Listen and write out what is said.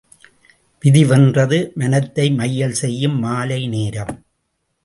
விதி வென்றது மனத்தை மையல் செய்யும் மாலை நேரம்.